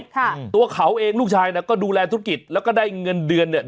ค่ะตัวเขาเองลูกชายน่ะก็ดูแลธุรกิจแล้วก็ได้เงินเดือนเนี้ย